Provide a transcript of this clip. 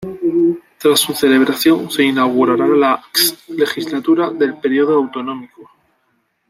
Tras su celebración, se inaugurará la X Legislatura del período autonómico.